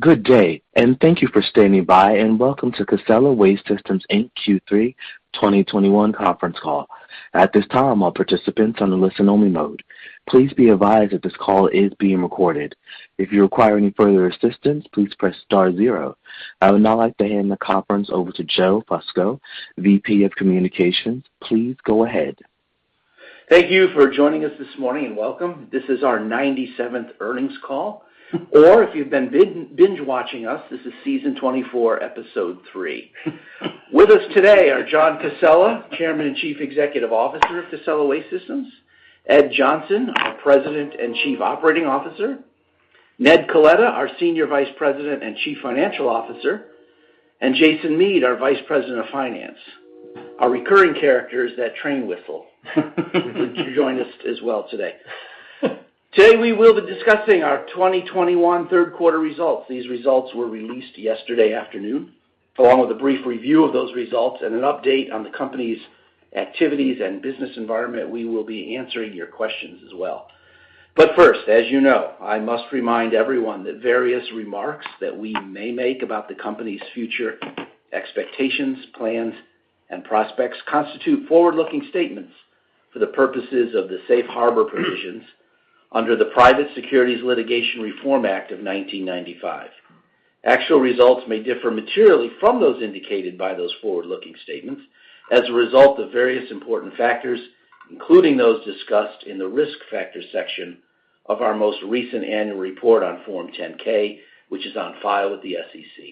Good day, and thank you for standing by, and welcome to Casella Waste Systems, Inc. Q3 2021 conference call. At this time, all participants on the listen only mode. Please be advised that this call is being recorded. If you require any further assistance, please press star zero. I would now like to hand the conference over to Joseph Fusco, VP of Communications. Please go ahead. Thank you for joining us this morning, and welcome. This is our 97th earnings call. If you've been binge-watching us, this is season 24, episode three. With us today are John W. Casella, Chairman and Chief Executive Officer of Casella Waste Systems, Edwin D. Johnson, our President and Chief Operating Officer, Edmond R. Coletta, our Senior Vice President and Chief Financial Officer, and Jason Mead, our Vice President of Finance. Our recurring character is that train whistle to join us as well today. Today, we will be discussing our 2021 third quarter results. These results were released yesterday afternoon, along with a brief review of those results and an update on the company's activities and business environment. We will be answering your questions as well. First, as you know, I must remind everyone that various remarks that we may make about the company's future expectations, plans, and prospects constitute forward-looking statements for the purposes of the safe harbor provisions under the Private Securities Litigation Reform Act of 1995. Actual results may differ materially from those indicated by those forward-looking statements as a result of various important factors, including those discussed in the risk factors section of our most recent annual report on Form 10-K, which is on file with the SEC.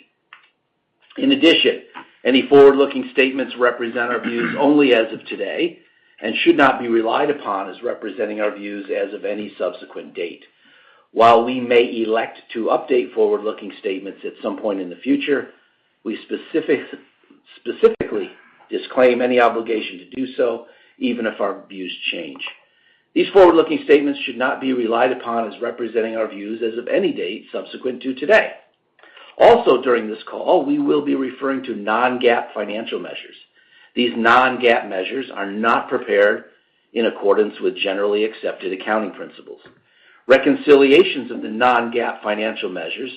In addition, any forward-looking statements represent our views only as of today and should not be relied upon as representing our views as of any subsequent date. While we may elect to update forward-looking statements at some point in the future, we specifically disclaim any obligation to do so, even if our views change. These forward-looking statements should not be relied upon as representing our views as of any date subsequent to today. Also, during this call, we will be referring to non-GAAP financial measures. These non-GAAP measures are not prepared in accordance with generally accepted accounting principles. Reconciliations of the non-GAAP financial measures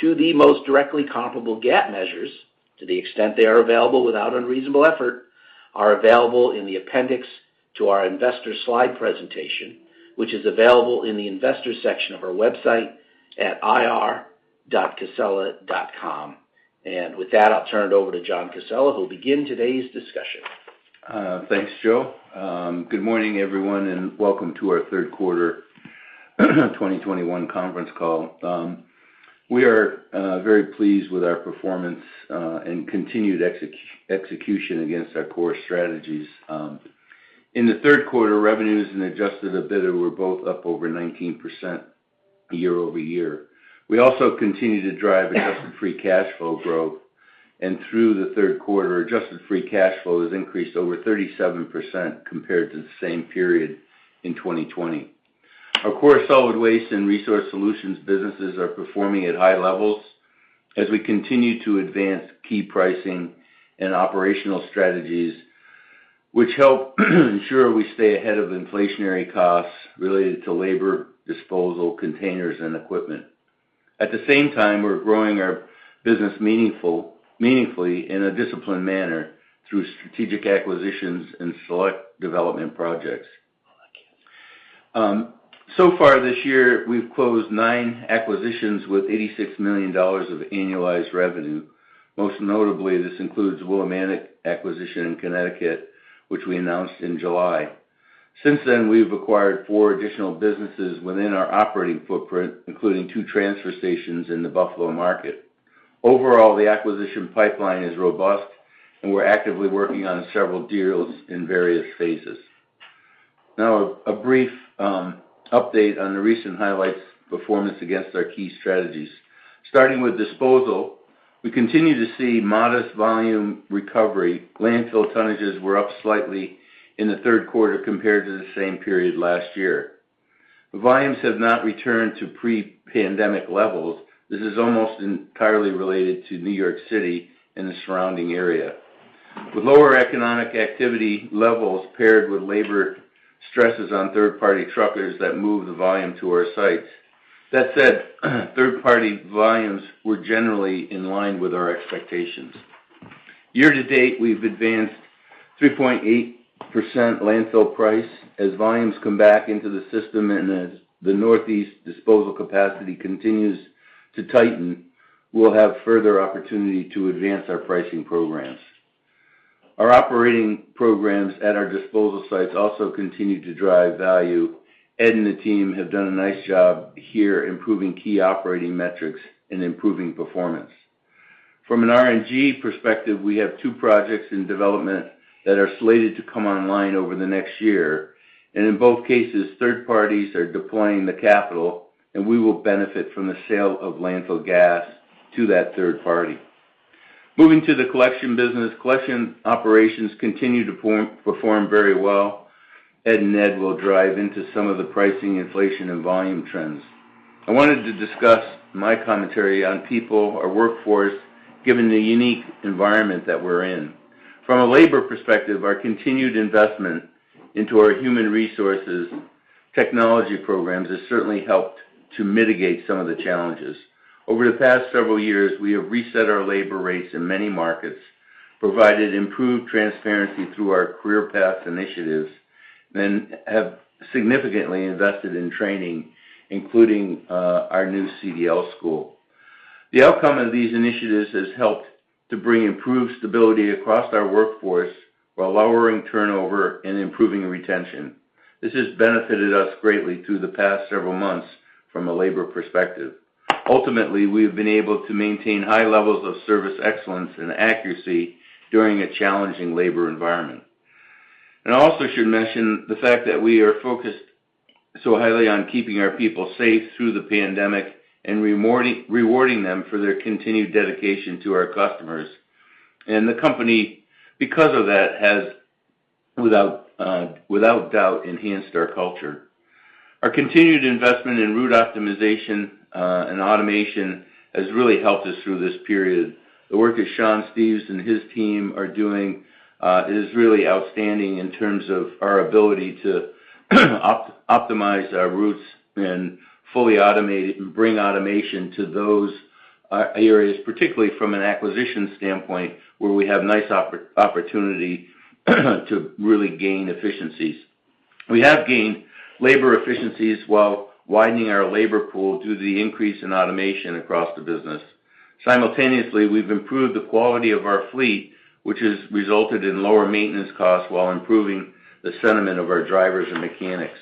to the most directly comparable GAAP measures, to the extent they are available without unreasonable effort, are available in the appendix to our investor slide presentation, which is available in the Investors section of our website at ir.casella.com. With that, I'll turn it over to John W. Casella, who'll begin today's discussion. Thanks, Joseph. Good morning, everyone, and welcome to our third quarter 2021 conference call. We are very pleased with our performance and continued execution against our core strategies. In the third quarter, revenues and adjusted EBITDA were both up over 19% year-over-year. We also continued to drive adjusted free cash flow growth, and through the third quarter, adjusted free cash flow has increased over 37% compared to the same period in 2020. Our core solid waste and resource solutions businesses are performing at high levels as we continue to advance key pricing and operational strategies, which help ensure we stay ahead of inflationary costs related to labor, disposal, containers, and equipment. At the same time, we're growing our business meaningfully in a disciplined manner through strategic acquisitions and select development projects. So far this year, we've closed nine acquisitions with $86 million of annualized revenue. Most notably, this includes Willimantic acquisition in Connecticut, which we announced in July. Since then, we've acquired four additional businesses within our operating footprint, including two transfer stations in the Buffalo market. Overall, the acquisition pipeline is robust, and we're actively working on several deals in various phases. Now, a brief update on the recent highlights performance against our key strategies. Starting with disposal, we continue to see modest volume recovery. Landfill tonnages were up slightly in the third quarter compared to the same period last year. The volumes have not returned to pre-pandemic levels. This is almost entirely related to New York City and the surrounding area with lower economic activity levels paired with labor stresses on third-party truckers that move the volume to our sites. That said, third-party volumes were generally in line with our expectations. Year to date, we've advanced 3.8% landfill price. As volumes come back into the system and as the Northeast disposal capacity continues to tighten, we'll have further opportunity to advance our pricing programs. Our operating programs at our disposal sites also continue to drive value. Edwin and the team have done a nice job here improving key operating metrics and improving performance. From an RNG perspective, we have two projects in development that are slated to come online over the next year, and in both cases, third parties are deploying the capital, and we will benefit from the sale of landfill gas to that third party. Moving to the collection business. Collection operations continue to perform very well. Edwin and Ned will drive into some of the pricing, inflation, and volume trends. I wanted to discuss my commentary on people, our workforce, given the unique environment that we're in. From a labor perspective, our continued investment into our human resources technology programs has certainly helped to mitigate some of the challenges. Over the past several years, we have reset our labor rates in many markets, provided improved transparency through our career path initiatives, and have significantly invested in training, including, our new CDL school. The outcome of these initiatives has helped to bring improved stability across our workforce while lowering turnover and improving retention. This has benefited us greatly through the past several months from a labor perspective. Ultimately, we have been able to maintain high levels of service excellence and accuracy during a challenging labor environment. I also should mention the fact that we are focused so highly on keeping our people safe through the pandemic and rewarding them for their continued dedication to our customers. The company, because of that, has, without a doubt, enhanced our culture. Our continued investment in route optimization and automation has really helped us through this period. The work that Sean Steves and his team are doing is really outstanding in terms of our ability to optimize our routes and fully automate it, and bring automation to those areas, particularly from an acquisition standpoint, where we have nice opportunity to really gain efficiencies. We have gained labor efficiencies while widening our labor pool due to the increase in automation across the business. Simultaneously, we've improved the quality of our fleet, which has resulted in lower maintenance costs while improving the sentiment of our drivers and mechanics.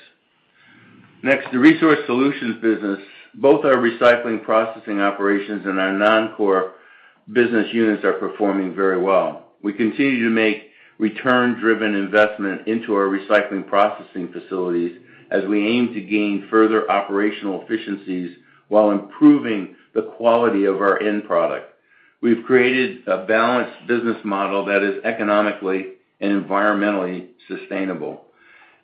Next, the resource solutions business. Both our recycling processing operations and our non-core business units are performing very well. We continue to make return-driven investment into our recycling processing facilities as we aim to gain further operational efficiencies while improving the quality of our end product. We've created a balanced business model that is economically and environmentally sustainable.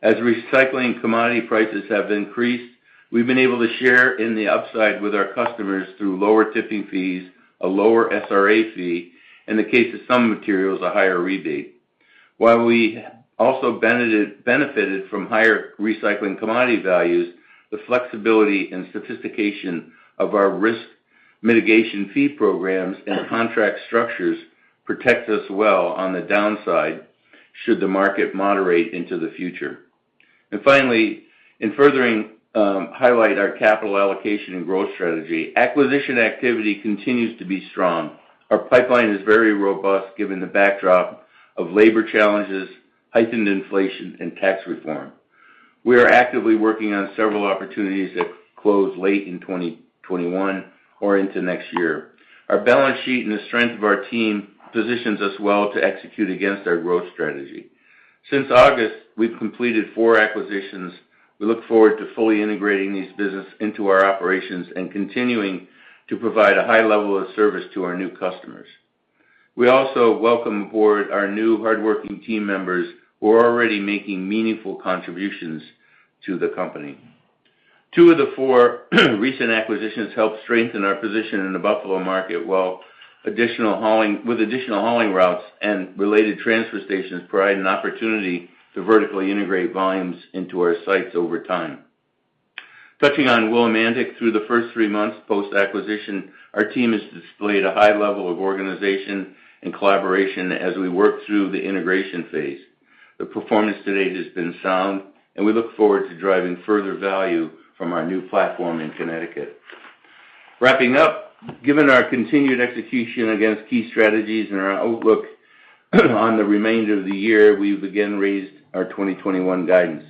As recycling commodity prices have increased, we've been able to share in the upside with our customers through lower tipping fees, a lower SRA fee, in the case of some materials, a higher rebate. While we also benefited from higher recycling commodity values, the flexibility and sophistication of our risk mitigation fee programs and contract structures protect us well on the downside, should the market moderate into the future. Finally, to further highlight our capital allocation and growth strategy, acquisition activity continues to be strong. Our pipeline is very robust given the backdrop of labor challenges, heightened inflation, and tax reform. We are actively working on several opportunities that close late in 2021 or into next year. Our balance sheet and the strength of our team positions us well to execute against our growth strategy. Since August, we've completed four acquisitions. We look forward to fully integrating these businesses into our operations and continuing to provide a high level of service to our new customers. We also welcome board our new hardworking team members who are already making meaningful contributions to the company. Two of the four recent acquisitions helped strengthen our position in the Buffalo market, while additional hauling routes and related transfer stations provide an opportunity to vertically integrate volumes into our sites over time. Touching on Willimantic, through the first three months post-acquisition, our team has displayed a high level of organization and collaboration as we work through the integration phase. The performance to date has been sound, and we look forward to driving further value from our new platform in Connecticut. Wrapping up, given our continued execution against key strategies and our outlook on the remainder of the year, we've again raised our 2021 guidance.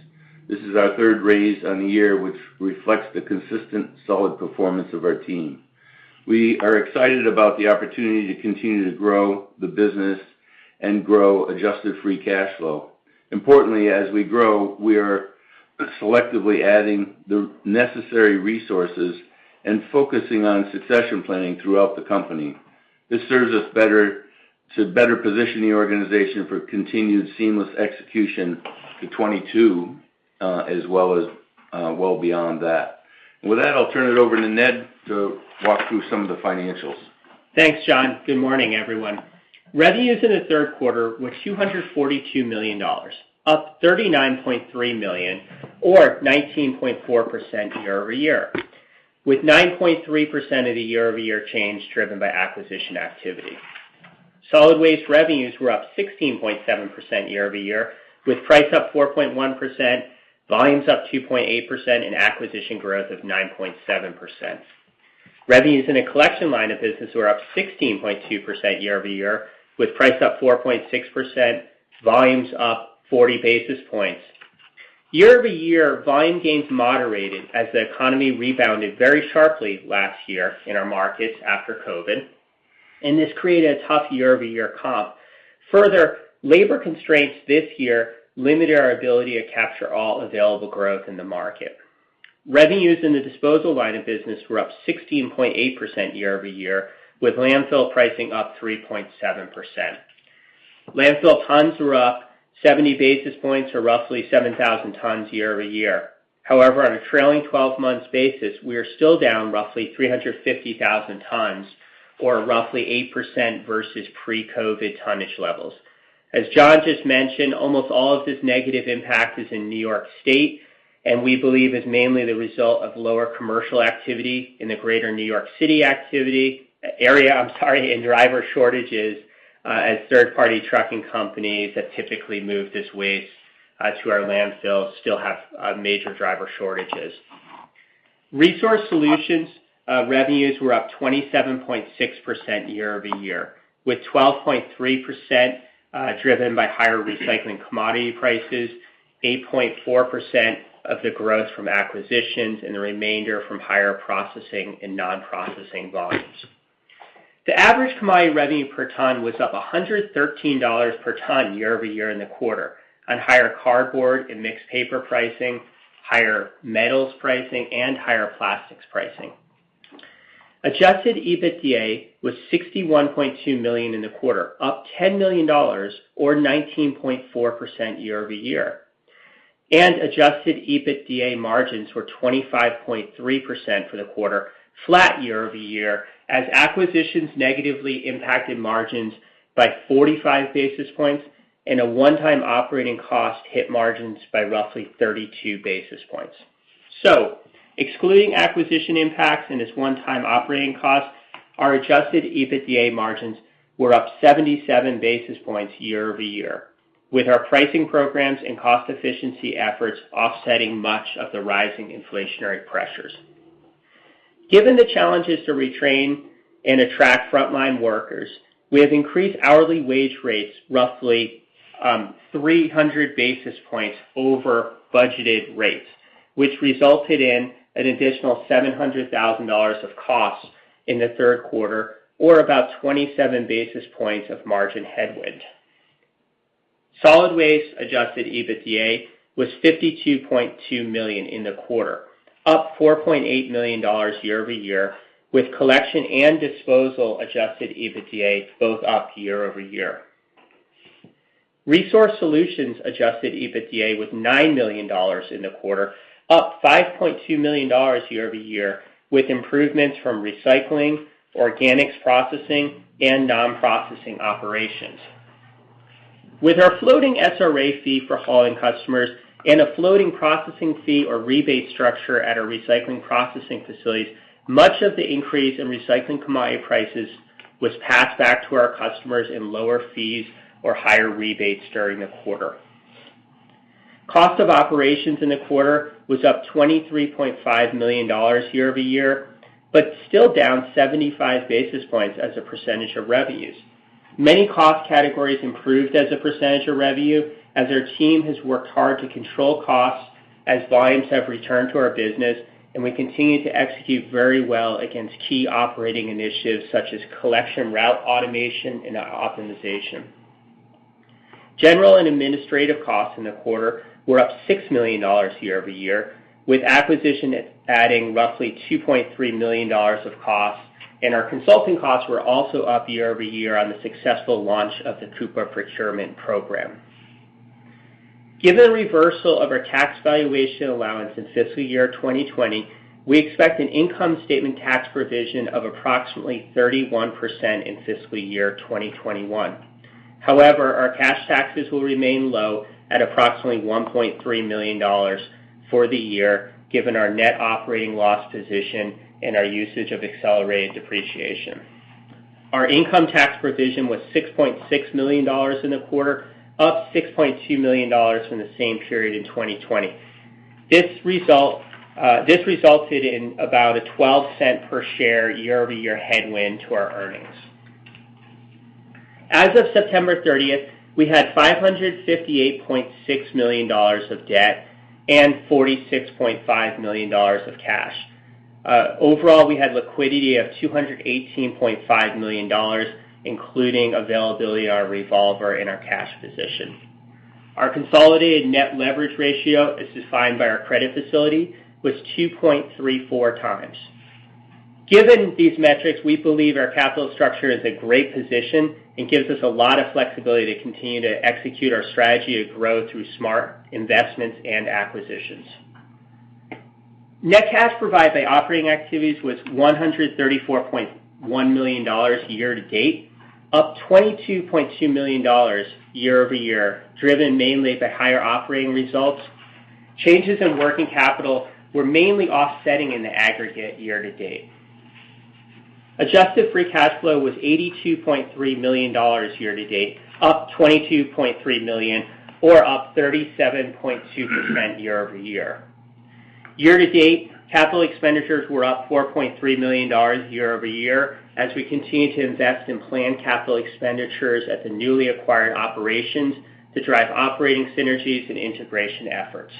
This is our third raise on the year, which reflects the consistent, solid performance of our team. We are excited about the opportunity to continue to grow the business and grow adjusted free cash flow. Importantly, as we grow, we are selectively adding the necessary resources and focusing on succession planning throughout the company. This serves us better to position the organization for continued seamless execution to 2022, as well as well beyond that. With that, I'll turn it over to Ned to walk through some of the financials. Thanks, John. Good morning, everyone. Revenues in the third quarter were $242 million, up $39.3 million or 19.4% year-over-year, with 9.3% of the year-over-year change driven by acquisition activity. Solid waste revenues were up 16.7% year-over-year, with price up 4.1%, volumes up 2.8%, and acquisition growth of 9.7%. Revenues in the Collection line of business were up 16.2% year-over-year, with price up 4.6%, volumes up 40 basis points. Year-over-year, volume gains moderated as the economy rebounded very sharply last year in our markets after COVID, and this created a tough year-over-year comp. Further, labor constraints this year limited our ability to capture all available growth in the market. Revenues in the disposal line of business were up 16.8% year-over-year, with landfill pricing up 3.7%. Landfill tons were up 70 basis points or roughly 7,000 tons year-over-year. However, on a trailing 12 months basis, we are still down roughly 350,000 tons or roughly 8% versus pre-COVID tonnage levels. As John just mentioned, almost all of this negative impact is in New York State, and we believe it is mainly the result of lower commercial activity in the greater New York City area and driver shortages as third-party trucking companies that typically move this waste to our landfills still have major driver shortages. Resource Solutions revenues were up 27.6% year-over-year, with 12.3% driven by higher recycling commodity prices, 8.4% of the growth from acquisitions and the remainder from higher processing and non-processing volumes. The average commodity revenue per ton was up $113 per ton year-over-year in the quarter on higher cardboard and mixed paper pricing, higher metals pricing, and higher plastics pricing. Adjusted EBITDA was $61.2 million in the quarter, up $10 million or 19.4% year-over-year. Adjusted EBITDA margins were 25.3% for the quarter, flat year-over-year, as acquisitions negatively impacted margins by 45 basis points and a one-time operating cost hit margins by roughly 32 basis points. Excluding acquisition impacts and this one-time operating cost, our adjusted EBITDA margins were up 77 basis points year-over-year, with our pricing programs and cost efficiency efforts offsetting much of the rising inflationary pressures. Given the challenges to retrain and attract frontline workers, we have increased hourly wage rates roughly 300 basis points over budgeted rates, which resulted in an additional $700,000 of costs in the third quarter or about 27 basis points of margin headwind. Solid Waste adjusted EBITDA was $52.2 million in the quarter, up $4.8 million year-over-year, with collection and disposal adjusted EBITDA both up year-over-year. Resource Solutions adjusted EBITDA was $9 million in the quarter, up $5.2 million year-over-year, with improvements from recycling, organics processing, and non-processing operations. With our floating SRA fee for hauling customers and a floating processing fee or rebate structure at our recycling processing facilities, much of the increase in recycling commodity prices was passed back to our customers in lower fees or higher rebates during the quarter. Cost of operations in the quarter was up $23.5 million year-over-year, but still down 75 basis points as a percentage of revenues. Many cost categories improved as a percentage of revenue as our team has worked hard to control costs as volumes have returned to our business, and we continue to execute very well against key operating initiatives such as collection route automation and optimization. General and administrative costs in the quarter were up $6 million year-over-year, with acquisition adding roughly $2.3 million of costs, and our consulting costs were also up year-over-year on the successful launch of the Coupa Procurement Program. Given the reversal of our tax valuation allowance in fiscal year 2020, we expect an income statement tax provision of approximately 31% in fiscal year 2021. However, our cash taxes will remain low at approximately $1.3 million for the year, given our net operating loss position and our usage of accelerated depreciation. Our income tax provision was $6.6 million in the quarter, up $6.2 million from the same period in 2020. This result, this resulted in about a $0.12 per share year-over-year headwind to our earnings. As of September 30th, we had $558.6 million of debt and $46.5 million of cash. Overall, we had liquidity of $218.5 million, including availability of our revolver and our cash position. Our consolidated net leverage ratio, as defined by our credit facility, was 2.34 times. Given these metrics, we believe our capital structure is a great position and gives us a lot of flexibility to continue to execute our strategy of growth through smart investments and acquisitions. Net cash provided by operating activities was $134.1 million year-to-date, up $22.2 million year-over-year, driven mainly by higher operating results. Changes in working capital were mainly offsetting in the aggregate year-to-date. Adjusted free cash flow was $82.3 million year-to-date, up $22.3 million or up 37.2% year-over-year. Year-to-date, capital expenditures were up $4.3 million year-over-year as we continue to invest in planned capital expenditures at the newly acquired operations to drive operating synergies and integration efforts.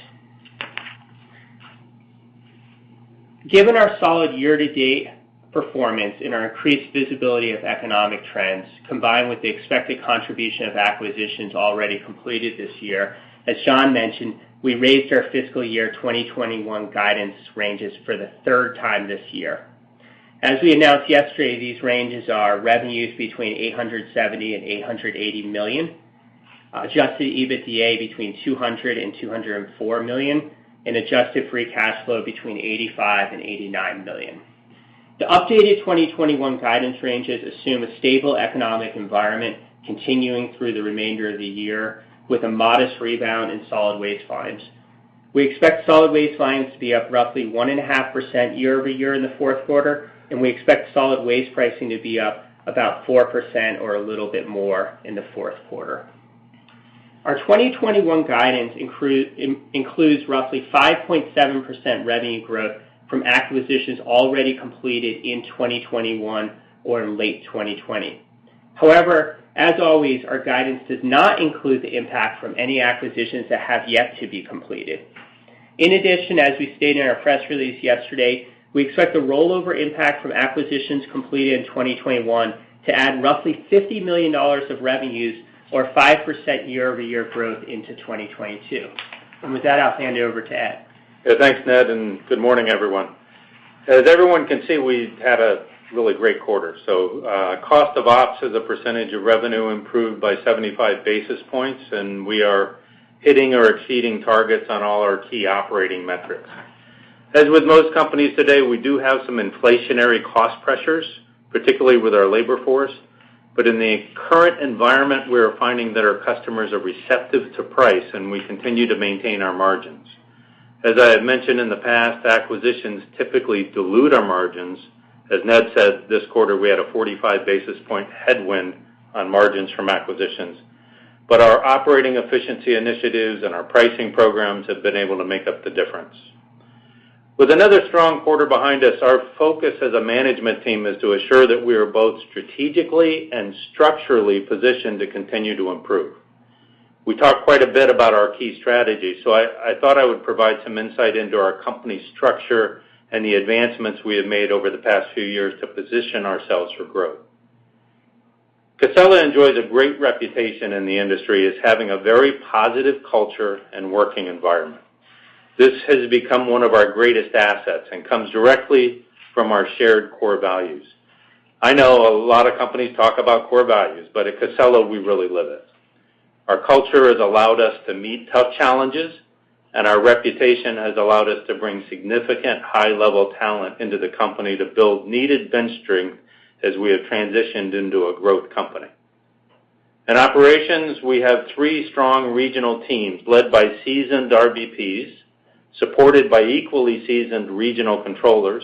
Given our solid year-to-date performance and our increased visibility of economic trends, combined with the expected contribution of acquisitions already completed this year, as John mentioned, we raised our fiscal year 2021 guidance ranges for the third time this year. As we announced yesterday, these ranges are revenues between $800 million-$880 million, adjusted EBITDA between $200 million-$204 million, and adjusted free cash flow between $85 million-$89 million. The updated 2021 guidance ranges assume a stable economic environment continuing through the remainder of the year, with a modest rebound in solid waste volumes. We expect solid waste volumes to be up roughly 1.5% year-over-year in the fourth quarter, and we expect solid waste pricing to be up about 4% or a little bit more in the fourth quarter. Our 2021 guidance includes roughly 5.7% revenue growth from acquisitions already completed in 2021 or in late 2020. However, as always, our guidance does not include the impact from any acquisitions that have yet to be completed. In addition, as we stated in our press release yesterday, we expect the rollover impact from acquisitions completed in 2021 to add roughly $50 million of revenues or 5% year-over-year growth into 2022. With that, I'll hand it over to Edwin. Yeah. Thanks, Ned, and good morning, everyone. As everyone can see, we had a really great quarter. Cost of ops as a percentage of revenue improved by 75 basis points, and we are hitting or exceeding targets on all our key operating metrics. As with most companies today, we do have some inflationary cost pressures, particularly with our labor force. In the current environment, we are finding that our customers are receptive to price, and we continue to maintain our margins. As I have mentioned in the past, acquisitions typically dilute our margins. As Ned said, this quarter, we had a 45 basis point headwind on margins from acquisitions. Our operating efficiency initiatives and our pricing programs have been able to make up the difference. With another strong quarter behind us, our focus as a management team is to ensure that we are both strategically and structurally positioned to continue to improve. We talked quite a bit about our key strategies, so I thought I would provide some insight into our company structure and the advancements we have made over the past few years to position ourselves for growth. Casella enjoys a great reputation in the industry as having a very positive culture and working environment. This has become one of our greatest assets and comes directly from our shared core values. I know a lot of companies talk about core values, but at Casella, we really live it. Our culture has allowed us to meet tough challenges, and our reputation has allowed us to bring significant high-level talent into the company to build needed bench strength as we have transitioned into a growth company. In operations, we have three strong regional teams led by seasoned RVPs, supported by equally seasoned regional controllers,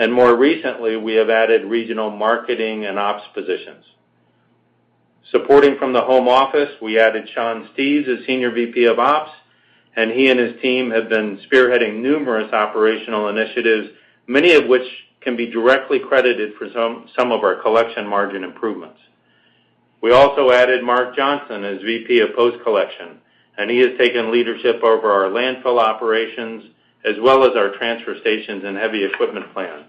and more recently, we have added regional marketing and ops positions. Supporting from the home office, we added Sean Steves as Senior VP of Ops, and he and his team have been spearheading numerous operational initiatives, many of which can be directly credited for some of our collection margin improvements. We also added Mark Johnson as VP of Post Collection, and he has taken leadership over our landfill operations as well as our transfer stations and heavy equipment plant.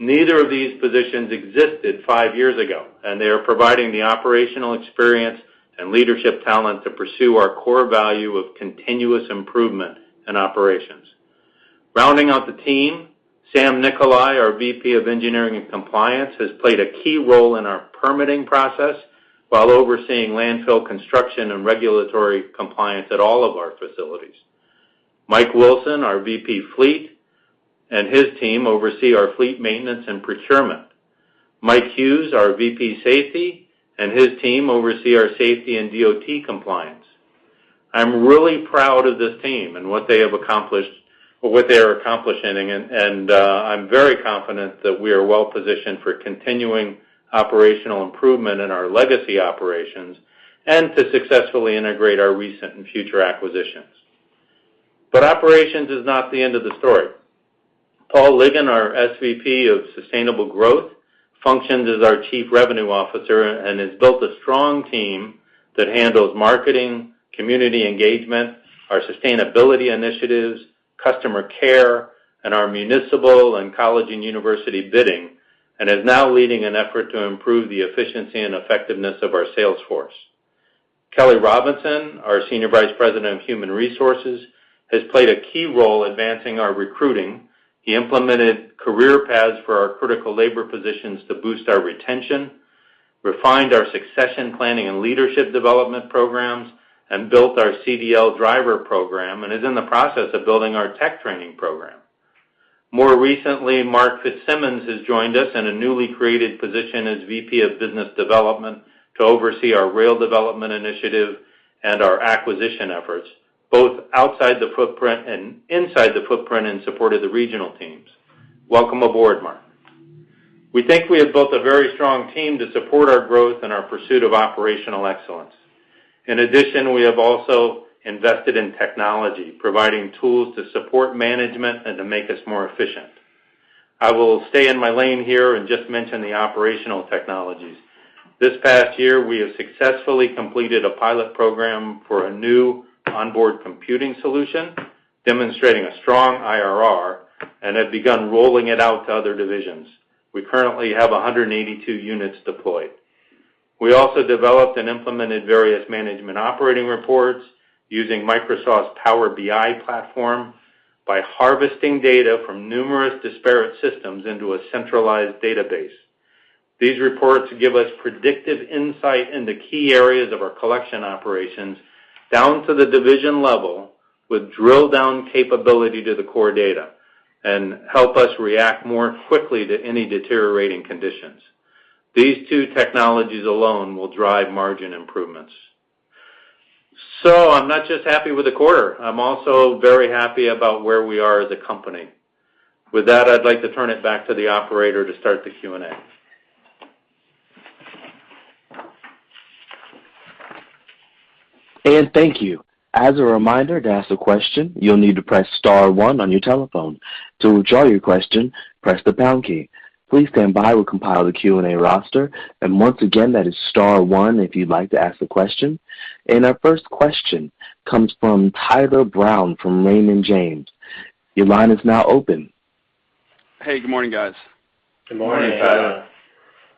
Neither of these positions existed five years ago, and they are providing the operational experience and leadership talent to pursue our core value of continuous improvement in operations. Rounding out the team, Samuel Nicolai, our VP of Engineering and Compliance, has played a key role in our permitting process while overseeing landfill construction and regulatory compliance at all of our facilities. Mike Wilson, our VP Fleet, and his team oversee our fleet maintenance and procurement. Michael Hughes, our VP Safety, and his team oversee our safety and DOT compliance. I'm really proud of this team and what they have accomplished or what they are accomplishing, and I'm very confident that we are well-positioned for continuing operational improvement in our legacy operations and to successfully integrate our recent and future acquisitions. Operations is not the end of the story. Paul Ligon, our SVP of Sustainable Growth, functions as our Chief Revenue Officer and has built a strong team that handles marketing, community engagement, our sustainability initiatives, customer care, and our municipal and college and university bidding, and is now leading an effort to improve the efficiency and effectiveness of our sales force. Kelley Robinson, our Senior Vice President of Human Resources, has played a key role advancing our recruiting. He implemented career paths for our critical labor positions to boost our retention, refined our succession planning and leadership development programs, and built our CDL driver program, and is in the process of building our tech training program. More recently, Marc Fitzsimmons has joined us in a newly created position as VP of Business Development to oversee our rail development initiative and our acquisition efforts, both outside the footprint and inside the footprint in support of the regional teams. Welcome aboard, Marc. We think we have built a very strong team to support our growth and our pursuit of operational excellence. In addition, we have also invested in technology, providing tools to support management and to make us more efficient. I will stay in my lane here and just mention the operational technologies. This past year, we have successfully completed a pilot program for a new onboard computing solution, demonstrating a strong IRR and have begun rolling it out to other divisions. We currently have 182 units deployed. We also developed and implemented various management operating reports using Microsoft's Power BI platform by harvesting data from numerous disparate systems into a centralized database. These reports give us predictive insight into key areas of our collection operations down to the division level, with drill down capability to the core data and help us react more quickly to any deteriorating conditions. These two technologies alone will drive margin improvements. I'm not just happy with the quarter. I'm also very happy about where we are as a company. With that, I'd like to turn it back to the operator to start the Q&A. Thank you. As a reminder, to ask a question, you'll need to press star one on your telephone. To withdraw your question, press the pound key. Please stand by. We'll compile the Q&A roster. Once again, that is star one if you'd like to ask a question. Our first question comes from Tyler Brown, from Raymond James. Your line is now open. Hey, good morning, guys. Good morning.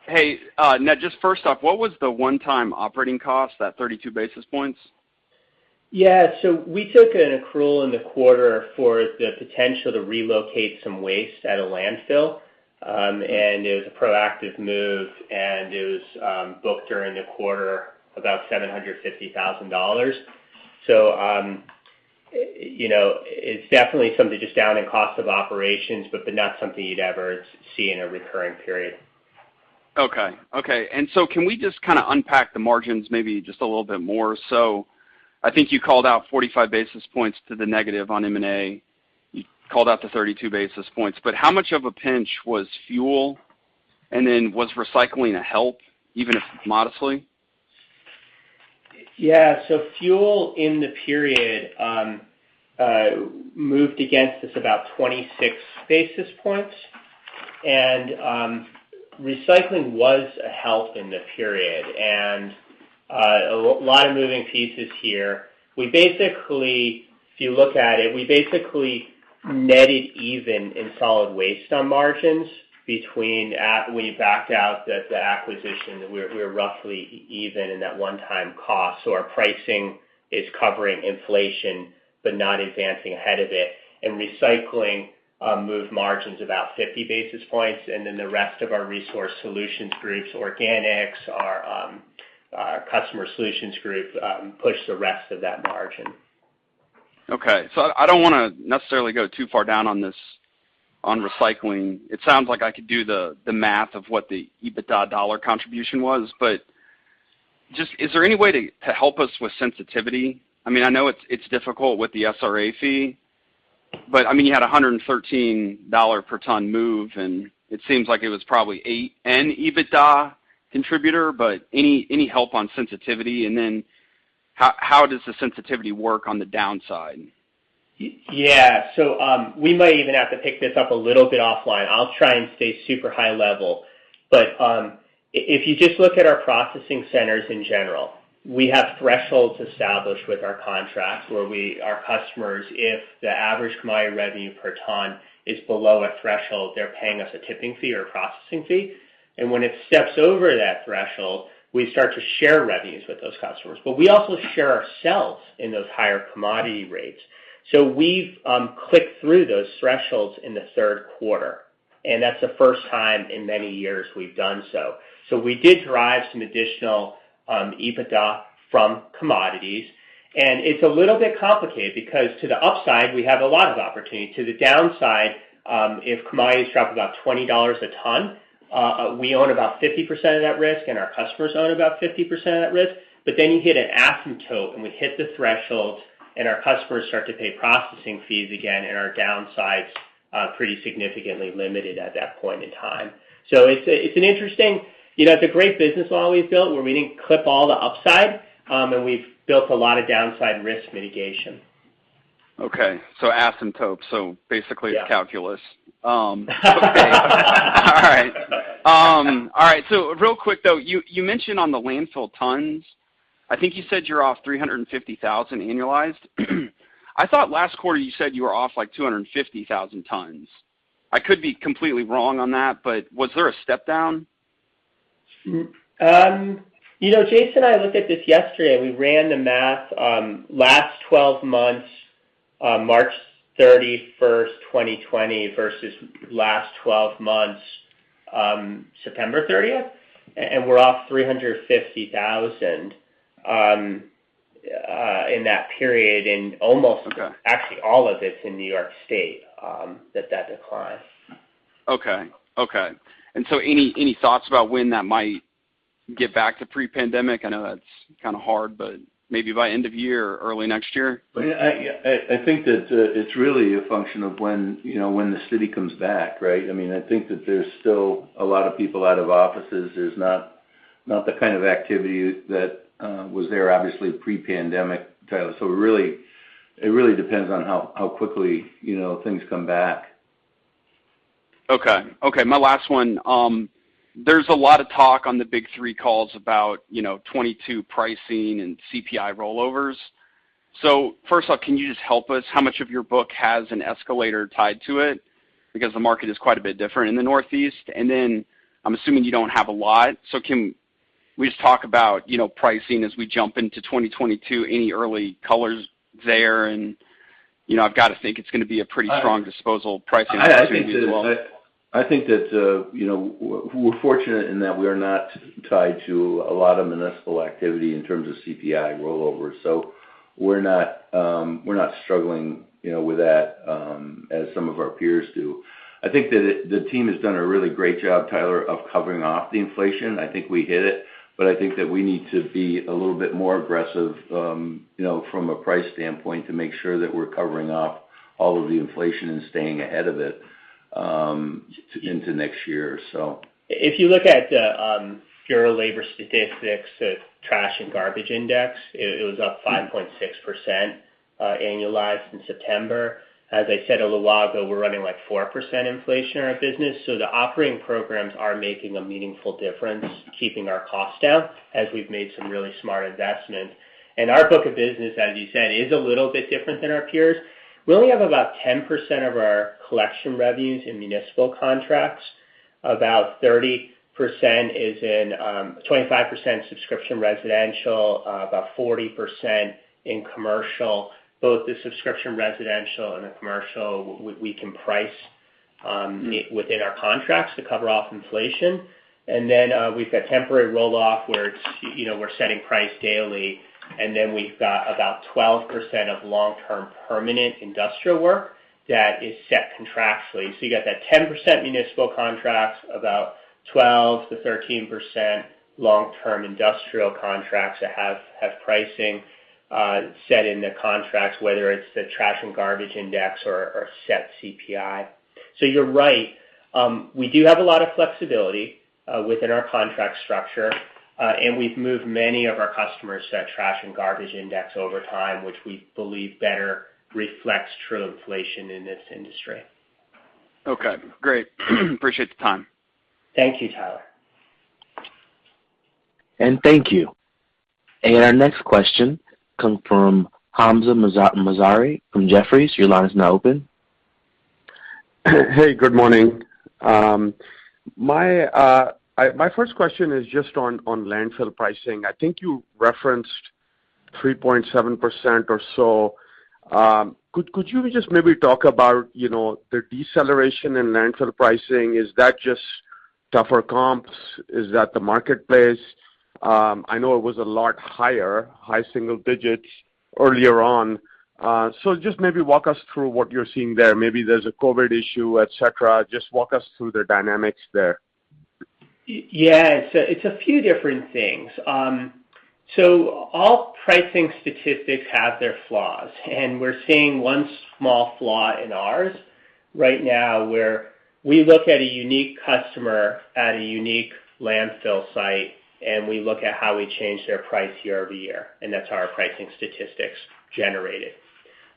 Hey, Ned, just first off, what was the one-time operating cost, that 32 basis points? Yeah. We took an accrual in the quarter for the potential to relocate some waste at a landfill, and it was a proactive move, and it was booked during the quarter, about $750,000. You know, it's definitely something just down in cost of operations, but not something you'd ever see in a recurring period. Okay. Can we just kinda unpack the margins maybe just a little bit more? I think you called out 45 basis points to the negative on M&A. You called out the 32 basis points. How much of a pinch was fuel? Was recycling a help, even if modestly? Yeah. Fuel in the period moved against us about 26 basis points. Recycling was a help in the period. A lot of moving pieces here. If you look at it, we basically netted even in solid waste on margins between we backed out the acquisition. We're roughly even in that one-time cost. Our pricing is covering inflation, but not advancing ahead of it. Recycling moved margins about 50 basis points, and then the rest of our resource solutions groups, organics, our customer solutions group, pushed the rest of that margin. Okay. I don't wanna necessarily go too far down on this, on recycling. It sounds like I could do the math of what the EBITDA dollar contribution was. Just, is there any way to help us with sensitivity? I mean, I know it's difficult with the SRA fee, but, I mean, you had a $113 per ton move, and it seems like it was probably an EBITDA contributor. Any help on sensitivity? How does the sensitivity work on the downside? Yeah. We might even have to pick this up a little bit offline. I'll try and stay super high level. If you just look at our processing centers in general, we have thresholds established with our contracts where our customers, if the average commodity revenue per ton is below a threshold, they're paying us a tipping fee or a processing fee. When it steps over that threshold, we start to share revenues with those customers. We also share in those higher commodity rates. We've clicked through those thresholds in the third quarter, and that's the first time in many years we've done so. We did derive some additional EBITDA from commodities. It's a little bit complicated because to the upside, we have a lot of opportunity. To the downside, if commodities drop about $20 a tonne, we own about 50% of that risk and our customers own about 50% of that risk. Then you hit an asymptote, and we hit the threshold, and our customers start to pay processing fees again, and our downside's pretty significantly limited at that point in time. It's an interesting. You know, it's a great business model we've built, where we didn't clip all the upside, and we've built a lot of downside risk mitigation. Okay. Asymptotes, basically. Yeah. Real quick, though, you mentioned on the landfill tons. I think you said you're off 350,000 annualized. I thought last quarter you said you were off, like, 250,000 tons. I could be completely wrong on that, but was there a step down? You know, Jason and I looked at this yesterday. We ran the math, last 12 months, March 31st, 2020 versus last 12 months, September 30th, and we're off $350,000 in that period. Almost Okay. Actually all of it's in New York State, that declined. Okay. Any thoughts about when that might get back to pre-pandemic? I know that's kinda hard, but maybe by end of year or early next year? Well, I think that it's really a function of when, you know, when the city comes back, right? I mean, I think that there's still a lot of people out of offices. There's not the kind of activity that was there obviously pre-pandemic, Tyler. Really, it really depends on how quickly, you know, things come back. Okay. Okay, my last one. There's a lot of talk on the big three calls about, you know, 2022 pricing and CPI rollovers. First off, can you just help us how much of your book has an escalator tied to it? Because the market is quite a bit different in the Northeast. Then I'm assuming you don't have a lot. Can we just talk about, you know, pricing as we jump into 2022, any early colors there? You know, I've got to think it's gonna be a pretty strong disposal pricing opportunity as well. I think that we're fortunate in that we are not tied to a lot of municipal activity in terms of CPI rollover. We're not struggling, you know, with that, as some of our peers do. I think that the team has done a really great job, Tyler, of covering off the inflation. I think we hit it. I think that we need to be a little bit more aggressive, you know, from a price standpoint to make sure that we're covering up all of the inflation and staying ahead of it into next year so. If you look at Bureau of Labor Statistics, the trash and garbage index, it was up 5.6% annualized in September. As I said a little while ago, we're running, like, 4% inflation in our business. The operating programs are making a meaningful difference, keeping our costs down as we've made some really smart investments. Our book of business, as you said, is a little bit different than our peers. We only have about 10% of our collection revenues in municipal contracts. About 30% is in 25% subscription residential, about 40% in commercial. Both the subscription residential and the commercial, we can price within our contracts to cover off inflation. We've got temporary roll-off where, you know, we're setting price daily. We've got about 12% of long-term permanent industrial work that is set contractually. You got that 10% municipal contracts, about 12%-13% long-term industrial contracts that have pricing set in the contracts, whether it's the trash and garbage index or set CPI. You're right. We do have a lot of flexibility within our contract structure, and we've moved many of our customers to that trash and garbage index over time, which we believe better reflects true inflation in this industry. Okay, great. Appreciate the time. Thank you, Tyler. Thank you. Our next question comes from Hamzah Mazari from Jefferies. Your line is now open. Hey, good morning. My first question is just on landfill pricing. I think you referenced 3.7% or so. Could you just maybe talk about, you know, the deceleration in landfill pricing? Is that just tougher comps? Is that the marketplace? I know it was a lot higher, high single digits earlier on. So just maybe walk us through what you're seeing there. Maybe there's a COVID issue, et cetera. Just walk us through the dynamics there. Yes. It's a few different things. So all pricing statistics have their flaws, and we're seeing one small flaw in ours right now, where we look at a unique customer at a unique landfill site, and we look at how we change their price year-over-year, and that's how our pricing statistics generate it.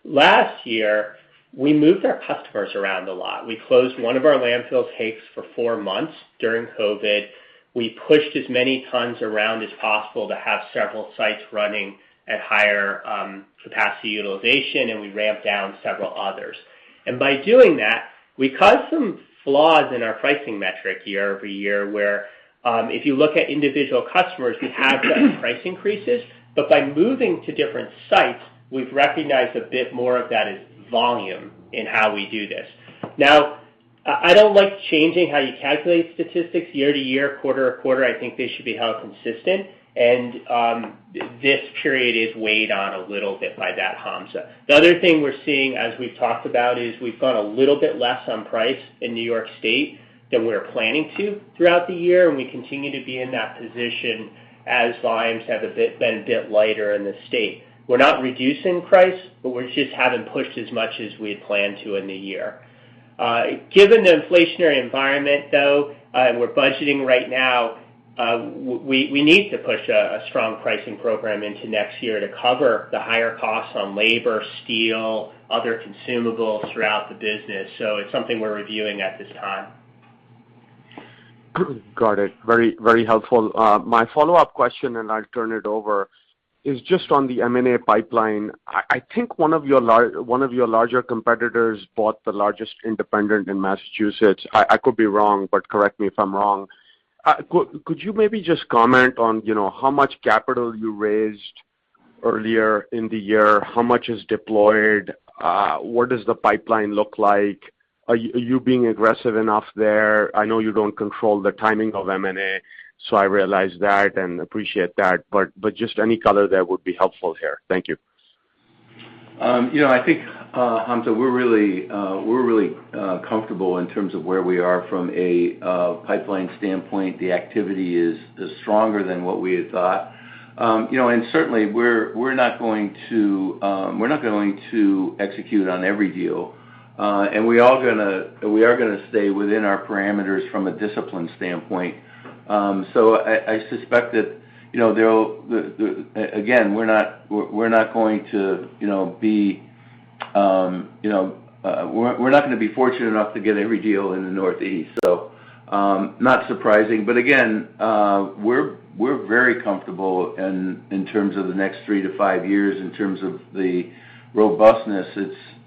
Last year, we moved our customers around a lot. We closed one of our landfill takes for four months during COVID. We pushed as many tons around as possible to have several sites running at higher capacity utilization, and we ramped down several others. By doing that, we caused some flaws in our pricing metric year-over-year, where, if you look at individual customers who have price increases, but by moving to different sites, we've recognized a bit more of that as volume in how we do this. Now, I don't like changing how you calculate statistics year to year, quarter to quarter. I think they should be held consistent. This period is weighed on a little bit by that, Hamzah. The other thing we're seeing, as we've talked about, is we've gone a little bit less on price in New York State than we're planning to throughout the year, and we continue to be in that position as volumes have been a bit lighter in the state. We're not reducing price, but we just haven't pushed as much as we had planned to in the year. Given the inflationary environment, though, we're budgeting right now, we need to push a strong pricing program into next year to cover the higher costs on labor, steel, other consumables throughout the business. It's something we're reviewing at this time. Got it. Very, very helpful. My follow-up question, and I'll turn it over, is just on the M&A pipeline. I think one of your larger competitors bought the largest independent in Massachusetts. I could be wrong, but correct me if I'm wrong. Could you maybe just comment on, you know, how much capital you raised earlier in the year? How much is deployed? What does the pipeline look like? Are you being aggressive enough there? I know you don't control the timing of M&A, so I realize that and appreciate that. But just any color there would be helpful here. Thank you. You know, I think, Hamzah, we're really comfortable in terms of where we are from a pipeline standpoint. The activity is stronger than what we had thought. You know, and certainly we're not going to execute on every deal. And we are gonna stay within our parameters from a discipline standpoint. So I suspect that, you know, we're not going to be fortunate enough to get every deal in the Northeast, so not surprising. But again, we're very comfortable in terms of the next three to five years in terms of the robustness.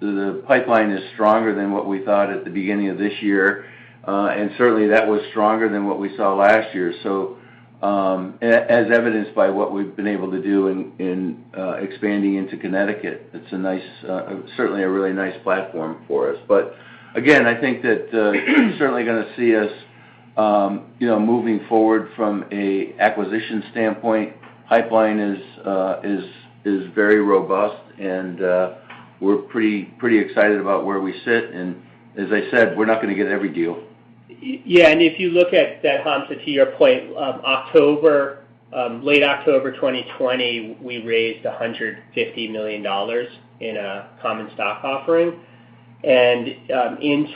The pipeline is stronger than what we thought at the beginning of this year. Certainly, that was stronger than what we saw last year. As evidenced by what we've been able to do in expanding into Connecticut, it's a nice, certainly a really nice platform for us. Again, I think that certainly gonna see us, you know, moving forward from an acquisition standpoint. Pipeline is very robust and we're pretty excited about where we sit. As I said, we're not gonna get every deal. Yeah, if you look at that, Hamzah, to your point, late October 2020, we raised $150 million in a common stock offering. In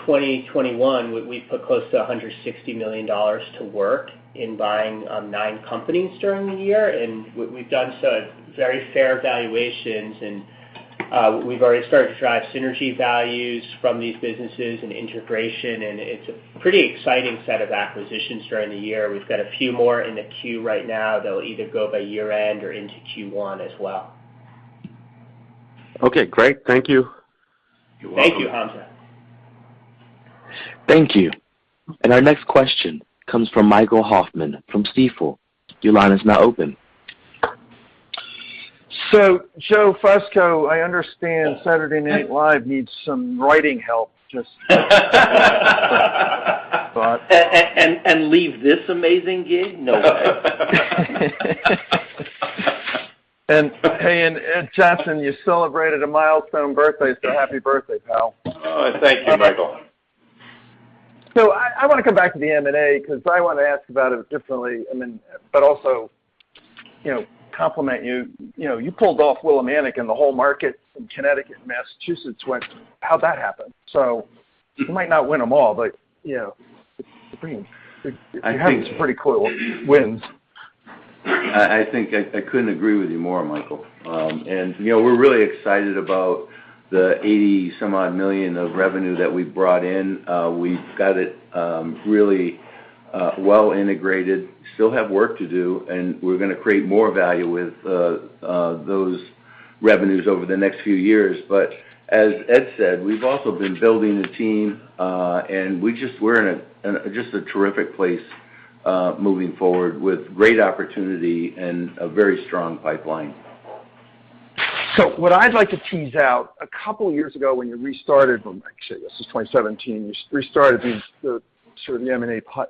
2021, we put close to $160 million to work in buying nine companies during the year. We've done so at very fair valuations, and we've already started to drive synergy values from these businesses and integration, and it's a pretty exciting set of acquisitions during the year. We've got a few more in the queue right now that'll either go by year-end or into Q1 as well. Okay, great. Thank you. You're welcome. Thank you, Hamzah. Thank you. Our next question comes from Michael Hoffman from Stifel. Your line is now open. Joseph Fusco, I understand Saturday Night Live needs some writing help. Leave this amazing gig? No way! Hey, Edwin D. Johnson, you celebrated a milestone birthday, so happy birthday, pal. Oh, thank you, Michael. I wanna come back to the M&A 'cause I wanna ask about it differently. I mean, but also, you know, compliment you. You know, you pulled off Willimantic, and the whole market from Connecticut and Massachusetts went, "How'd that happen?" You might not win them all, but, you know, it's pretty. I think- You're having some pretty cool wins. I couldn't agree with you more, Michael. You know, we're really excited about the $80-some odd million of revenue that we've brought in. We've got it really well integrated. Still have work to do, and we're gonna create more value with those revenues over the next few years. As Edward said, we've also been building the team, and we're in just a terrific place moving forward with great opportunity and a very strong pipeline. What I'd like to tease out. A couple years ago, actually, this was 2017, you restarted the sort of M&A put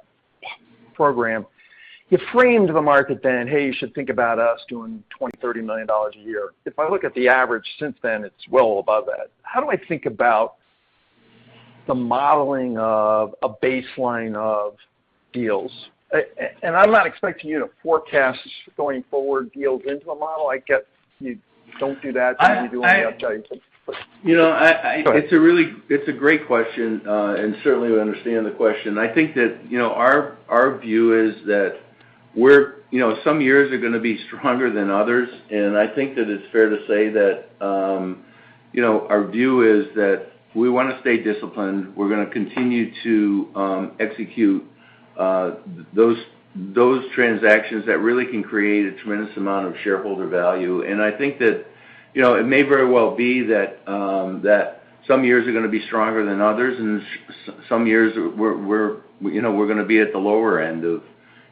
program. You framed the market then, "Hey, you should think about us doing $20 million-$30 million a year." If I look at the average since then, it's well above that. How do I think about the modeling of a baseline of deals? I'm not expecting you to forecast going forward deals into a model. I get you don't do that, and you do only updates, but- You know, I Go ahead. It's a great question, and certainly we understand the question. I think that, you know, our view is that. You know, some years are gonna be stronger than others, and I think that it's fair to say that, you know, our view is that we wanna stay disciplined. We're gonna continue to execute those transactions that really can create a tremendous amount of shareholder value. I think that, you know, it may very well be that some years are gonna be stronger than others, and some years we're gonna be at the lower end of,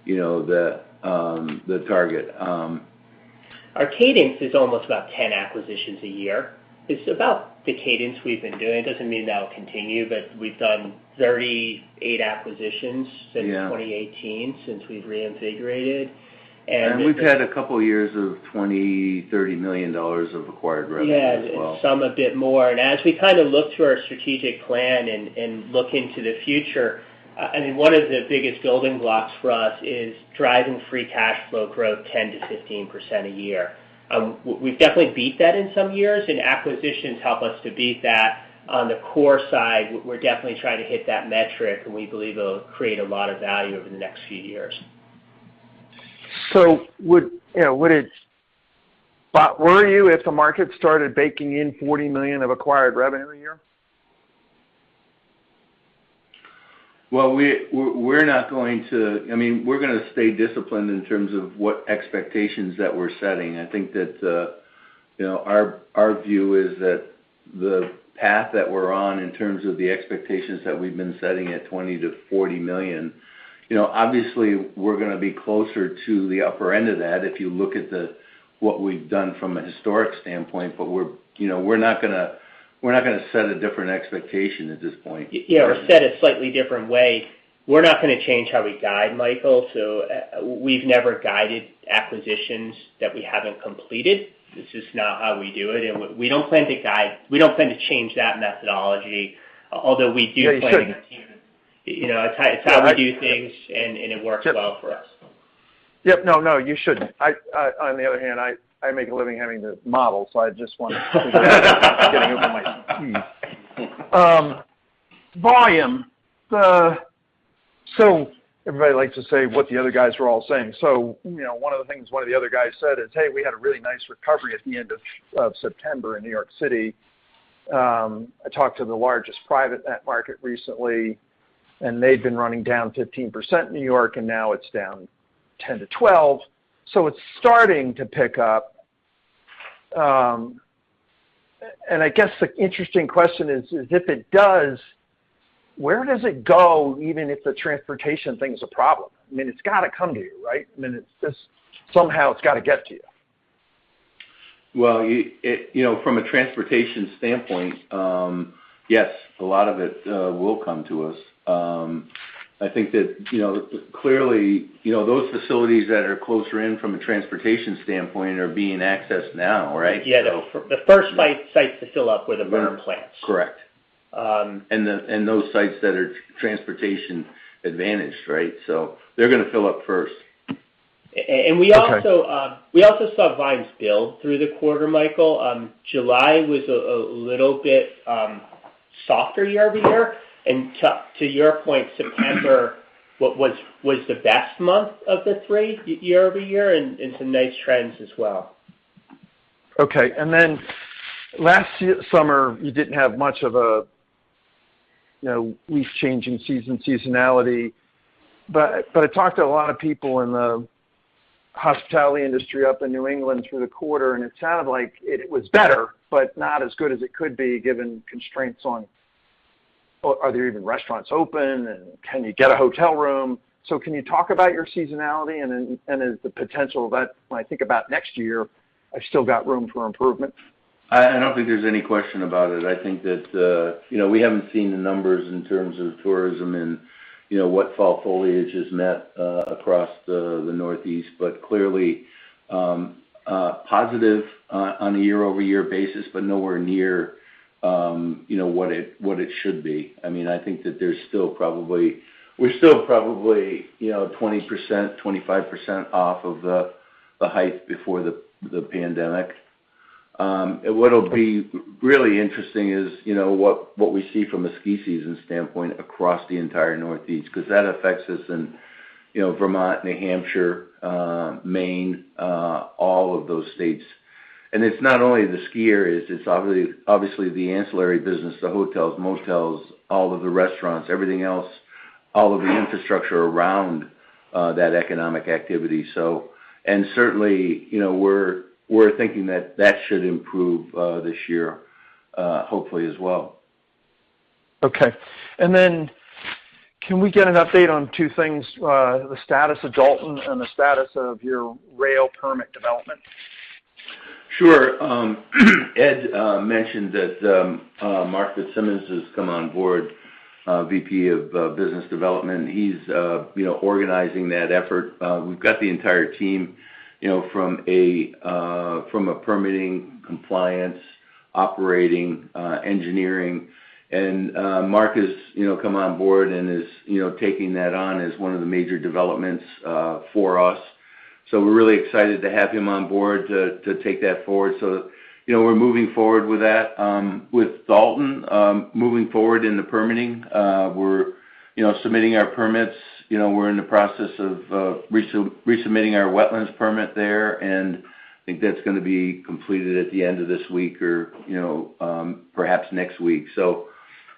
you know, the target. Our cadence is almost about 10 acquisitions a year. It's about the cadence we've been doing. It doesn't mean that'll continue, but we've done 38 acquisitions since- Yeah 2018, since we've reinvigorated. We've had a couple years of $20 million-$30 million of acquired revenue as well. Yeah, some a bit more. As we kind of look to our strategic plan and look into the future, I mean, one of the biggest building blocks for us is driving free cash flow growth 10%-15% a year. We've definitely beat that in some years, and acquisitions help us to beat that. On the core side, we're definitely trying to hit that metric, and we believe it'll create a lot of value over the next few years. Would you know if the market started baking in $40 million of acquired revenue a year? Well, we're not going to. I mean, we're gonna stay disciplined in terms of what expectations that we're setting. I think that, you know, our view is that the path that we're on in terms of the expectations that we've been setting at $20 million-$40 million, you know, obviously we're gonna be closer to the upper end of that if you look at what we've done from a historic standpoint, but you know, we're not gonna set a different expectation at this point. Yeah, or said a slightly different way, we're not gonna change how we guide, Michael, so we've never guided acquisitions that we haven't completed. It's just not how we do it. We don't plan to change that methodology, although we do plan- Yeah, you shouldn't. You know, it's how we do things, and it works well for us. Yep. No, no, you shouldn't. I make a living having to model, so I just want to get it over my. Volume. Everybody likes to say what the other guys were all saying. You know, one of the things one of the other guys said is, "Hey, we had a really nice recovery at the end of September in New York City." I talked to the largest private hauler in the market recently, and they'd been running down 15% New York, and now it's down 10%-12%. It's starting to pick up. I guess the interesting question is if it does, where does it go, even if the transportation thing is a problem. I mean, it's gotta come to you, right? I mean, it's just somehow it's gotta get to you. Well, you know, from a transportation standpoint, yes, a lot of it will come to us. I think that, you know, clearly, you know, those facilities that are closer in from a transportation standpoint are being accessed now, right? Yeah. The first sites to fill up were the burn plants. Correct. Those sites that are transportation advantaged, right? They're gonna fill up first. A-and we also- Okay. We also saw volumes build through the quarter, Michael. July was a little bit softer year-over-year. To your point, September was the best month of the three year-over-year, and some nice trends as well. Okay. Last summer, you didn't have much of a, you know, leaf-changing season seasonality. But I talked to a lot of people in the hospitality industry up in New England through the quarter, and it sounded like it was better, but not as good as it could be, given constraints on are there even restaurants open, and can you get a hotel room? Can you talk about your seasonality and then and is the potential that when I think about next year, I've still got room for improvement? I don't think there's any question about it. I think that, you know, we haven't seen the numbers in terms of tourism and, you know, what fall foliage impact across the Northeast. Clearly, positive on a year-over-year basis, but nowhere near, you know, what it should be. I mean, I think that we're still probably, you know, 20%-25% off of the height before the pandemic. What'll be really interesting is, you know, what we see from a ski season standpoint across the entire Northeast, 'cause that affects us in, you know, Vermont, New Hampshire, Maine, all of those states. It's not only the ski areas, it's obviously the ancillary business, the hotels, motels, all of the restaurants, everything else, all of the infrastructure around that economic activity. Certainly, you know, we're thinking that should improve this year, hopefully as well. Okay. Can we get an update on two things, the status of Dalton and the status of your rail permit development? Sure. Edwin mentioned that Marc Fitzsimmons has come on board, VP of Business Development. He's you know, organizing that effort. We've got the entire team, you know, from a permitting compliance, operating, engineering. Marc has you know, come on board and is you know, taking that on as one of the major developments for us. We're really excited to have him on board to take that forward. We're moving forward with that. With Dalton moving forward in the permitting, we're you know, submitting our permits. We're in the process of resubmitting our wetlands permit there, and I think that's gonna be completed at the end of this week or you know, perhaps next week.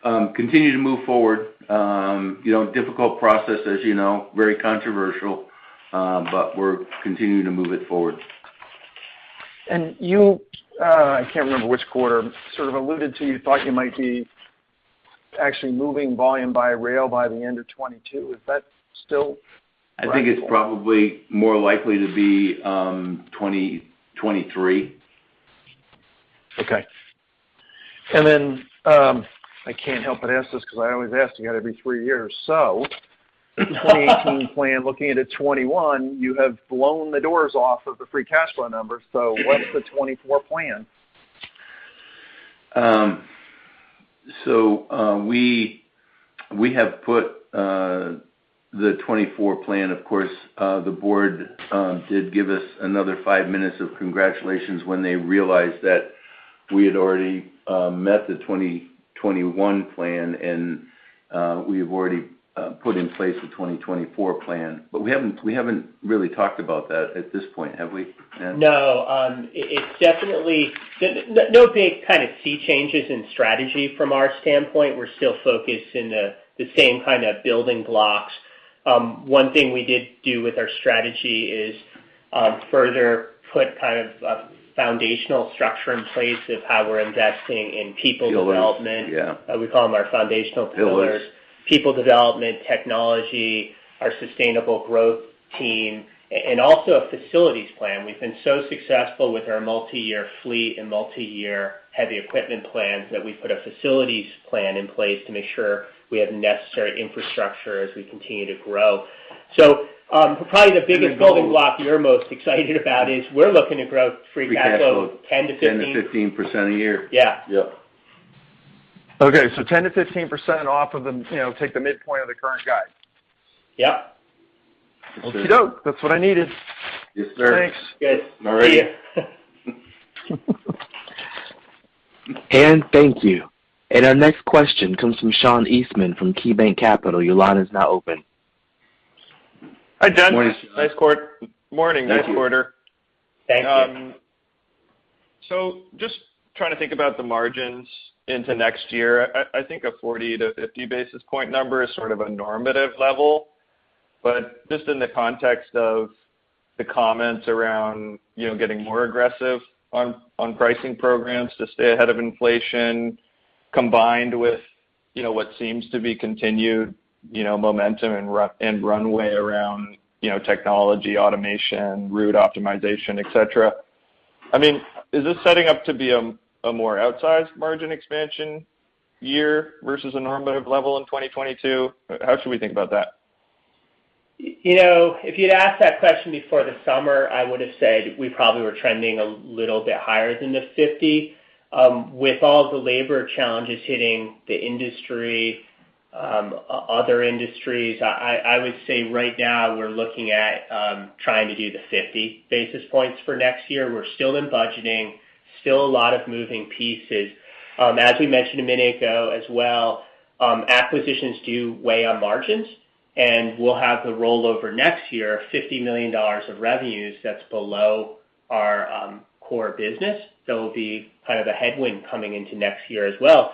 Continue to move forward. You know, difficult process, as you know, very controversial, but we're continuing to move it forward. You, I can't remember which quarter, sort of alluded to you thought you might be actually moving volume by rail by the end of 2022. Is that still practical? I think it's probably more likely to be 2023. Okay. I can't help but ask this because I always ask you every three years. The 2018 plan, looking into 2021, you have blown the doors off of the free cash flow numbers. What's the 2024 plan? We have put the 2024 plan. Of course, the board did give us another five minutes of congratulations when they realized that we had already met the 2021 plan. We have already put in place the 2024 plan. We haven't really talked about that at this point, have we, Ned? No. It's definitely no big kind of key changes in strategy from our standpoint. We're still focused in the same kind of building blocks. One thing we did do with our strategy is further put kind of a foundational structure in place of how we're investing in people development. Pillars, yeah. We call them our foundational pillars. Pillars. People development, technology, our sustainable growth team, and also a facilities plan. We've been so successful with our multi-year fleet and multi-year heavy equipment plans that we put a facilities plan in place to make sure we have necessary infrastructure as we continue to grow. Probably the biggest building block you're most excited about is we're looking to grow free cash flow. Free cash flow 10%-15%. 10%-15% a year. Yeah. Yeah. Okay. 10%-15% off of the, you know, take the midpoint of the current guide. Yep. Okey-doke. That's what I needed. Yes, sir. Thanks. Yes. All right. Good. See you. Thank you. Our next question comes from Sean Eastman from KeyBanc Capital Markets. Your line is now open. Hi, John. Morning, Sean. Good morning. Thank you. Nice quarter. Thank you. Just trying to think about the margins into next year. I think a 40-50 basis point number is sort of a normative level. Just in the context of the comments around, you know, getting more aggressive on pricing programs to stay ahead of inflation combined with, you know, what seems to be continued, you know, momentum and runway around, you know, technology, automation, route optimization, et cetera. I mean, is this setting up to be a more outsized margin expansion year versus a normative level in 2022? How should we think about that? You know, if you'd asked that question before the summer, I would've said we probably were trending a little bit higher than the 50. With all the labor challenges hitting the industry, other industries, I would say right now we're looking at trying to do the 50 basis points for next year. We're still in budgeting, still a lot of moving pieces. As we mentioned a minute ago as well, acquisitions do weigh on margins, and we'll have the rollover next year, $50 million of revenues that's below our core business. So it'll be kind of a headwind coming into next year as well.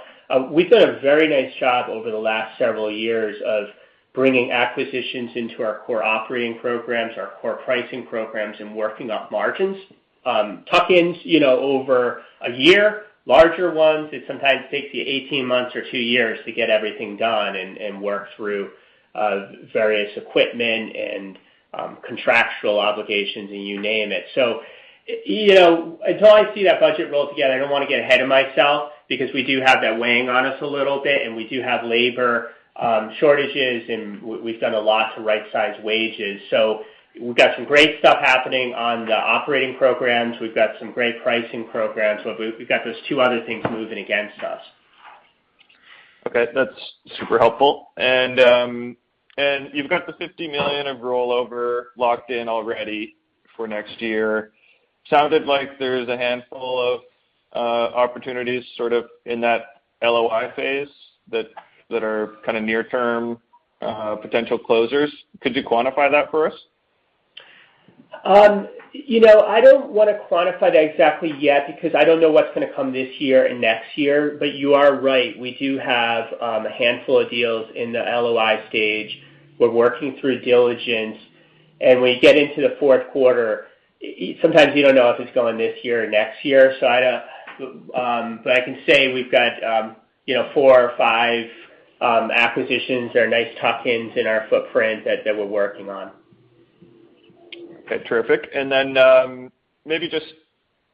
We've done a very nice job over the last several years of bringing acquisitions into our core operating programs, our core pricing programs, and working up margins. Tuck-ins, you know, over a year. Larger ones, it sometimes takes you 18 months or two years to get everything done and work through various equipment and contractual obligations, and you name it. You know, until I see that budget rolled together, I don't wanna get ahead of myself because we do have that weighing on us a little bit, and we do have labor shortages, and we've done a lot to right-size wages. We've got some great stuff happening on the operating programs. We've got some great pricing programs. We've got those two other things moving against us. Okay, that's super helpful. You've got the $50 million of rollover locked in already for next year. Sounded like there's a handful of opportunities sort of in that LOI phase that are kind of near term potential closers. Could you quantify that for us? You know, I don't wanna quantify that exactly yet because I don't know what's gonna come this year and next year. But you are right, we do have a handful of deals in the LOI stage. We're working through diligence. When you get into the fourth quarter, sometimes you don't know if it's going this year or next year. I can say we've got, you know, four or five acquisitions that are nice tuck-ins in our footprint that we're working on. Okay, terrific. Maybe just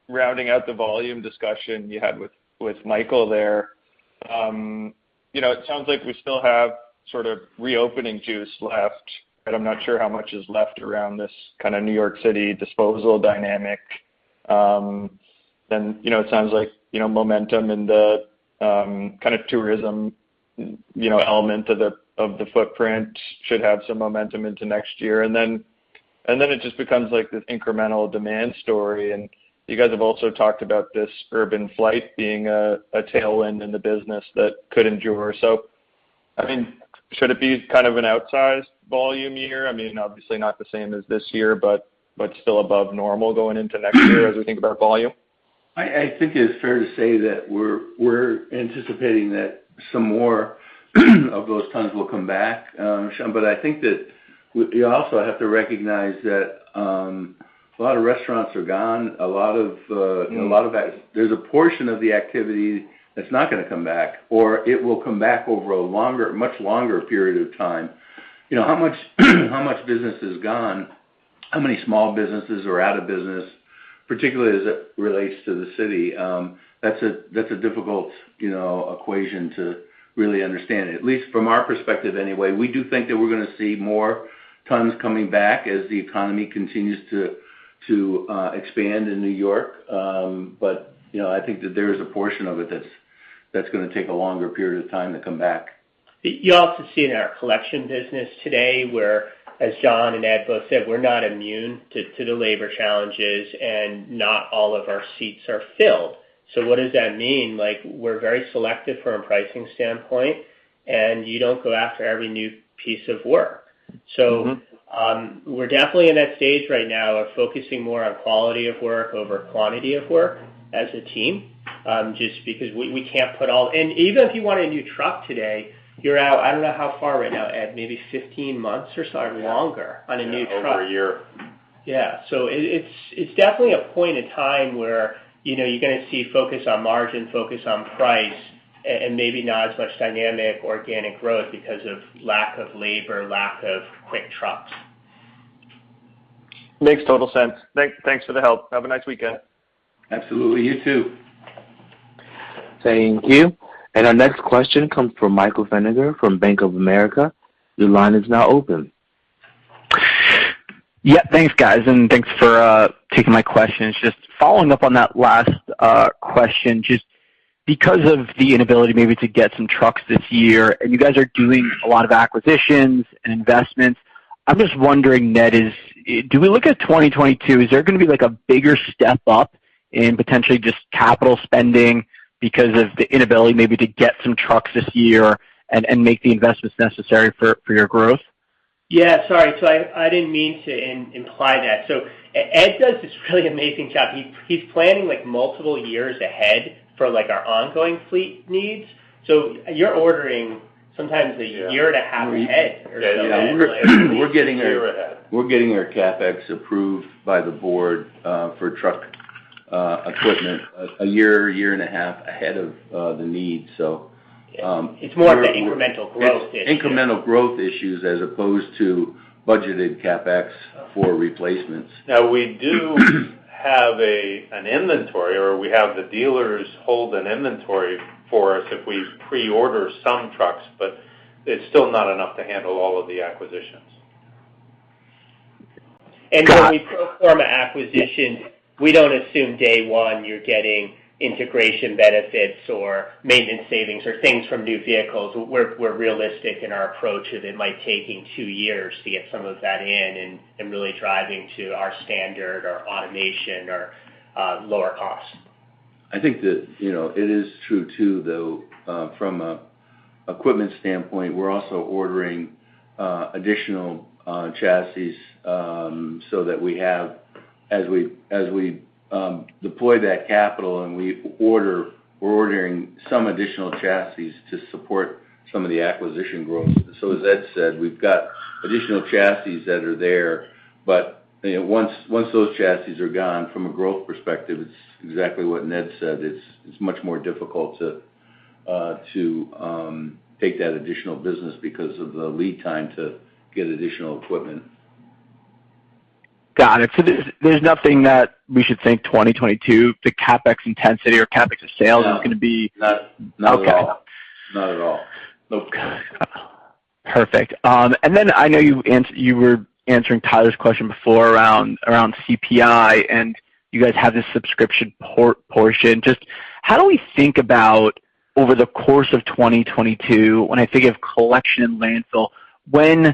rounding out the volume discussion you had with Michael there. You know, it sounds like we still have sort of reopening juice left, but I'm not sure how much is left around this kind of New York City disposal dynamic. You know, it sounds like you know, momentum in the kind of tourism, you know, element of the footprint should have some momentum into next year. It just becomes like this incremental demand story. You guys have also talked about this urban flight being a tailwind in the business that could endure. I mean, should it be kind of an outsized volume year? I mean, obviously not the same as this year, but still above normal going into next year as we think about volume. I think it's fair to say that we're anticipating that some more of those tons will come back, Sean, but I think that you also have to recognize that a lot of restaurants are gone. A lot of that. There's a portion of the activity that's not gonna come back, or it will come back over a longer, much longer period of time. You know, how much business is gone? How many small businesses are out of business, particularly as it relates to the city? That's a difficult, you know, equation to really understand, at least from our perspective anyway. We do think that we're gonna see more tons coming back as the economy continues to expand in New York. You know, I think that there is a portion of it that's gonna take a longer period of time to come back. You also see it in our collection business today, where, as John and Edwin both said, we're not immune to the labor challenges, and not all of our seats are filled. What does that mean? Like, we're very selective from a pricing standpoint, and you don't go after every new piece of work. Mm-hmm. We're definitely in that stage right now of focusing more on quality of work over quantity of work as a team, just because even if you want a new truck today, you're out. I don't know how far right now, Edwin, maybe 15 months or so or longer. Yeah. on a new truck. Over a year. Yeah. It's definitely a point in time where, you know, you're gonna see focus on margin, focus on price, and maybe not as much dynamic organic growth because of lack of labor, lack of quick trucks. Makes total sense. Thanks for the help. Have a nice weekend. Absolutely, you too. Thank you. Our next question comes from Michael Feniger from Bank of America. Your line is now open. Yeah. Thanks, guys, and thanks for taking my questions. Just following up on that last question, just because of the inability maybe to get some trucks this year, and you guys are doing a lot of acquisitions and investments. I'm just wondering, Ned, do we look at 2022, is there gonna be, like, a bigger step up in potentially just capital spending because of the inability maybe to get some trucks this year and make the investments necessary for your growth? Yeah. Sorry. I didn't mean to imply that. Edwin does this really amazing job. He's planning, like, multiple years ahead for, like, our ongoing fleet needs. You're ordering sometimes a year and a half ahead or so. Yeah. We're getting our CapEx approved by the board for truck equipment a year and a half ahead of the need. We're- It's more of the incremental growth issue. Incremental growth issues as opposed to budgeted CapEx for replacements. Now, we do have an inventory, or we have the dealers hold an inventory for us if we pre-order some trucks, but it's still not enough to handle all of the acquisitions. Got it. when we perform an acquisition, we don't assume day one you're getting integration benefits or maintenance savings or things from new vehicles. We're realistic in our approach of it might take you two years to get some of that in and really driving to our standard or automation or lower costs. I think that, you know, it is true too, though, from an equipment standpoint, we're also ordering additional chassis so that we have as we deploy that capital and we're ordering some additional chassis to support some of the acquisition growth. As Edwin said, we've got additional chassis that are there. But, you know, once those chassis are gone from a growth perspective, it's exactly what Ned said. It's much more difficult to take that additional business because of the lead time to get additional equipment. Got it. There's nothing that we should think 2022, the CapEx intensity or CapEx of sales is gonna be. No. Not at all. Okay. Not at all. Got it. Perfect. I know you were answering Tyler's question before around CPI, and you guys have this subscription portion. Just how do we think about over the course of 2022, when I think of collection and landfill, when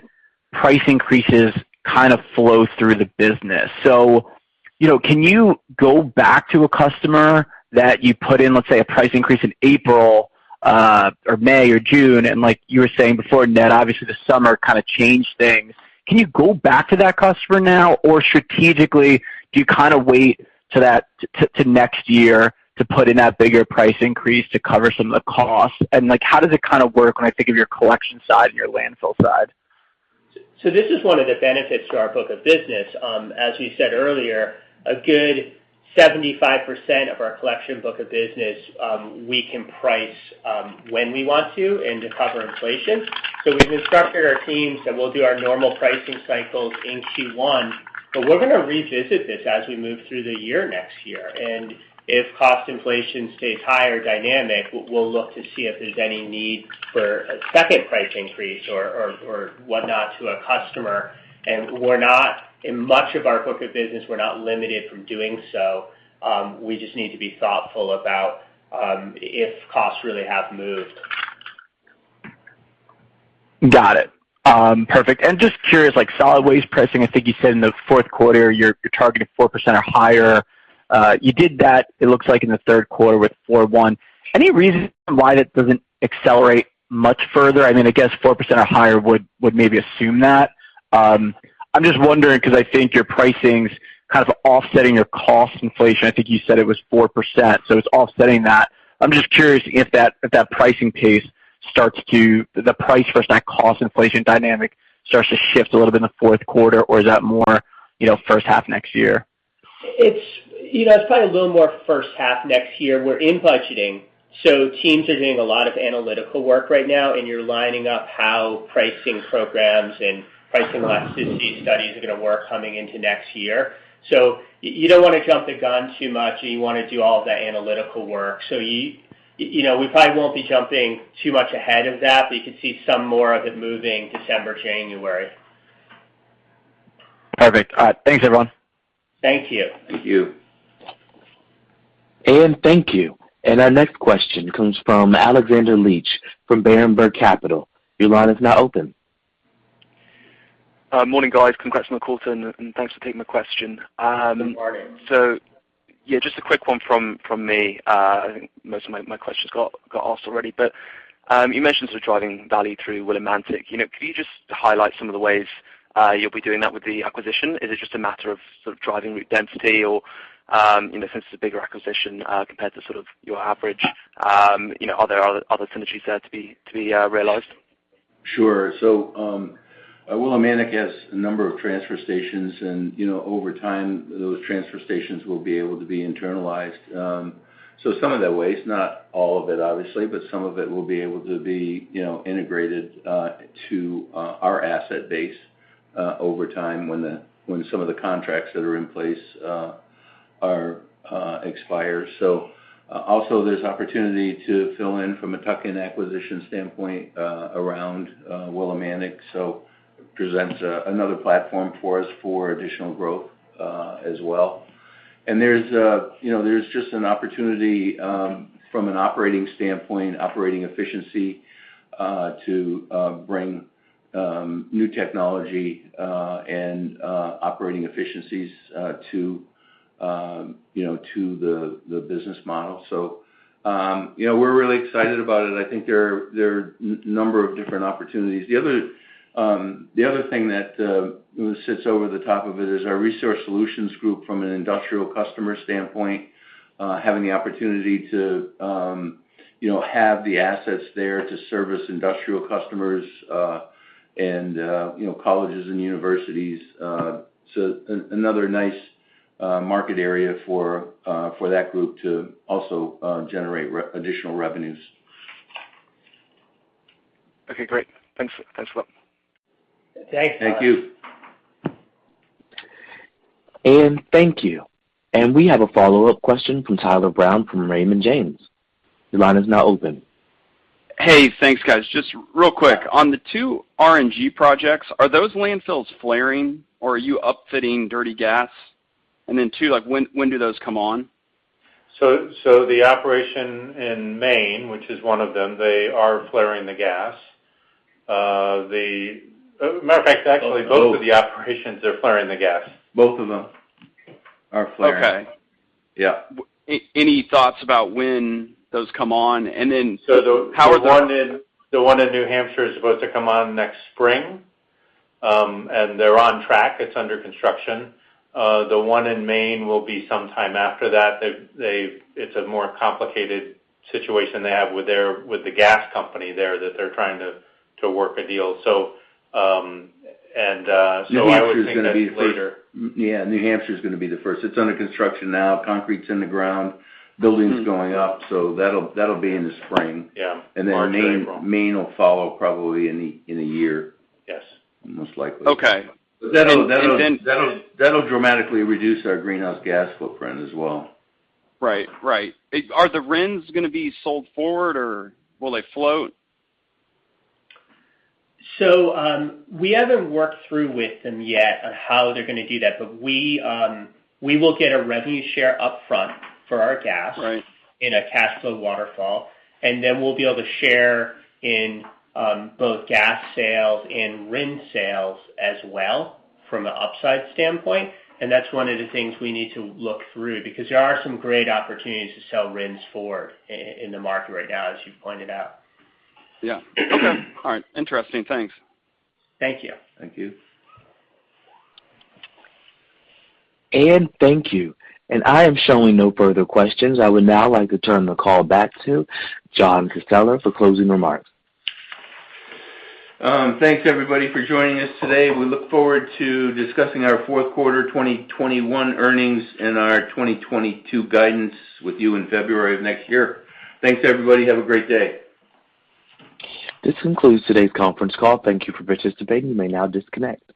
price increases kind of flow through the business. You know, can you go back to a customer that you put in, let's say, a price increase in April, or May or June, and like you were saying before, Ned, obviously the summer kind of changed things. Can you go back to that customer now? Or strategically, do you kinda wait to next year to put in that bigger price increase to cover some of the costs? Like, how does it kind of work when I think of your collection side and your landfill side? This is one of the benefits to our book of business. As you said earlier, a good 75% of our collection book of business, we can price when we want to and to cover inflation. We've instructed our teams that we'll do our normal pricing cycles in Q1, but we're gonna revisit this as we move through the year next year. If cost inflation stays high or dynamic, we'll look to see if there's any need for a second price increase or whatnot to a customer. We're not limited from doing so in much of our book of business. We just need to be thoughtful about if costs really have moved. Got it. Perfect. Just curious, like, solid waste pricing, I think you said in the fourth quarter you're targeting 4% or higher. You did that, it looks like, in the third quarter with 4.1%. Any reason why that doesn't accelerate much further? I mean, I guess 4% or higher would maybe assume that. I'm just wondering 'cause I think your pricing's kind of offsetting your cost inflation. I think you said it was 4%, so it's offsetting that. I'm just curious if that pricing pace starts to shift a little bit in the fourth quarter or is that more, you know, first half next year? You know, it's probably a little more first half next year. We're in budgeting, so teams are doing a lot of analytical work right now, and you're lining up how pricing programs and pricing elasticity studies are gonna work coming into next year. You don't wanna jump the gun too much, and you wanna do all of that analytical work. You know, we probably won't be jumping too much ahead of that, but you could see some more of it moving December, January. Perfect. Thanks, everyone. Thank you. Thank you. Thank you. Our next question comes from Alexander Leach from Berenberg Capital Markets. Your line is now open. Morning, guys. Congrats on the quarter and thanks for taking my question. Good morning. Yeah, just a quick one from me. I think most of my questions got asked already. You mentioned sort of driving value through Willimantic. You know, could you just highlight some of the ways you'll be doing that with the acquisition? Is it just a matter of sort of driving route density or, you know, since it's a bigger acquisition compared to sort of your average, you know, are there other synergies there to be realized? Sure. Willimantic has a number of transfer stations and, you know, over time, those transfer stations will be able to be internalized. Some of that waste, not all of it obviously, but some of it will be able to be, you know, integrated to our asset base over time when some of the contracts that are in place are expire. Also there's opportunity to fill in from a tuck-in acquisition standpoint around Willimantic, so presents another platform for us for additional growth as well. There's, you know, just an opportunity from an operating standpoint, operating efficiency to bring new technology and operating efficiencies to you know to the business model. You know, we're really excited about it. I think there are n-number of different opportunities. The other thing that sits over the top of it is our Resource Solutions Group from an industrial customer standpoint, having the opportunity to, you know, have the assets there to service industrial customers, and, you know, colleges and universities. Another nice market area for that group to also generate additional revenues. Okay, great. Thanks. Thanks a lot. Thanks. Thank you. Thank you. We have a follow-up question from Tyler Brown from Raymond James. Your line is now open. Hey, thanks, guys. Just real quick, on the two RNG projects, are those landfills flaring or are you upfitting dirty gas? Two, like when do those come on? The operation in Maine, which is one of them, they are flaring the gas. Matter of fact, actually, both of the operations are flaring the gas. Both of them are flaring. Okay. Yeah. Any thoughts about when those come on? How are those The one in New Hampshire is supposed to come on next spring. They're on track. It's under construction. The one in Maine will be sometime after that. It's a more complicated situation they have with the gas company there that they're trying to work a deal. I would think that's later. Yeah, New Hampshire is gonna be the first. It's under construction now. Concrete's in the ground. Building's going up. That'll be in the spring. Yeah. Maine will follow probably in a year. Yes. Most likely. Okay. That'll dramatically reduce our greenhouse gas footprint as well. Right. Are the RINs gonna be sold forward or will they float? We haven't worked through with them yet on how they're gonna do that, but we will get a revenue share up front for our gas- Right... in a cash flow waterfall, and then we'll be able to share in, both gas sales and RIN sales as well from an upside standpoint. That's one of the things we need to look through because there are some great opportunities to sell RINs forward in the market right now, as you pointed out. Yeah. Okay. All right. Interesting. Thanks. Thank you. Thank you. Thank you. I am showing no further questions. I would now like to turn the call back to John W. Casella for closing remarks. Thanks everybody for joining us today. We look forward to discussing our fourth quarter 2021 earnings and our 2022 guidance with you in February of next year. Thanks, everybody. Have a great day. This concludes today's conference call. Thank you for participating. You may now disconnect.